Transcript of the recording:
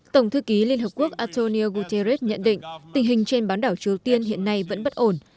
tổng thư ký liên hợp quốc antonio guterres nhận định tình hình trên bán đảo triều tiên hiện nay vẫn bất ổn